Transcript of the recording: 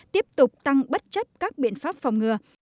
tiếp tục tăng bất chấp các biện pháp phòng ngừa